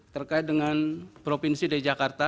terkait dengan provinsi dki jakarta